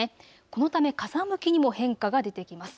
このため風向きにも変化が出てきます。